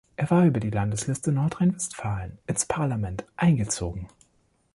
Er war über die Landesliste Nordrhein-Westfalen ins Parlament eingezogen.